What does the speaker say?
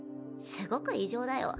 すごく異常だよ。